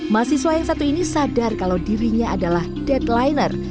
mahasiswa yang satu ini sadar kalau dirinya adalah deadliner